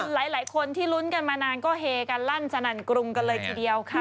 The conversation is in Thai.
หลายคนที่ลุ้นกันมานานก็เฮกันลั่นสนั่นกรุงกันเลยทีเดียวค่ะ